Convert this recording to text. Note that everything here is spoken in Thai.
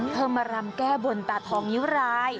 เธอมารำแก้บนตาทองนิ้วราย